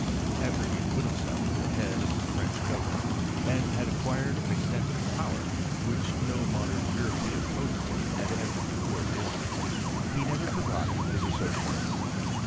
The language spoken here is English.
After he had put himself at the head of the French government, and had acquired an estent of power, which no mo dern European potentate had ever before realized, he never forgot his associate.